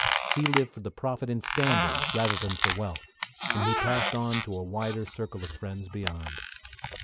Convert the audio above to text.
He lived for the profit in standards rather than for wealth, and he passed on to a wider circle of friends beyond.